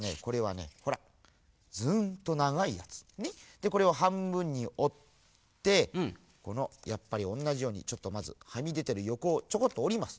でこれをはんぶんにおってこのやっぱりおんなじようにちょっとまずはみでてるよこをちょこっとおります。